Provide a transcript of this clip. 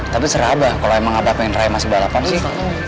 tapi serah abah kalau emang abah pengen rai masih balapan sih